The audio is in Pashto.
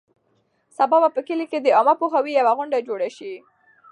سبا به په کلي کې د عامه پوهاوي یوه غونډه جوړه شي.